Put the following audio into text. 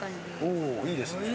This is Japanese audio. おいいですね。